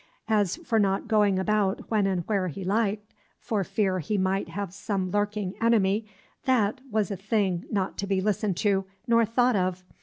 As for not going about when and where he liked, for fear he might have some lurking enemy, that was a thing not to be listened to nor thought of.